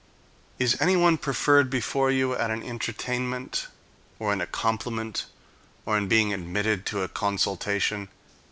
Is anyone preferred before you at an entertainment, or in a compliment, or in being admitted to a consultation?